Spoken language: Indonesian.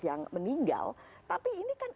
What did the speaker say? yang meninggal tapi ini kan